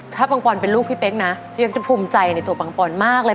ถ้าปังปอนเป็นลูกพี่เป๊กนะพี่เป๊กจะภูมิใจในตัวปังปอนมากเลย